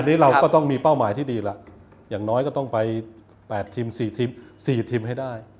อันนี้เราก็ต้องมีเป้าหมายที่ดีล่ะอย่างน้อยก็ต้องไป๘ทีม๔ทีม๔ทีมให้ได้